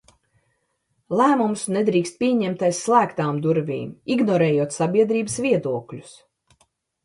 Lēmumus nedrīkst pieņemt aiz slēgtām durvīm, ignorējot sabiedrības viedokļus.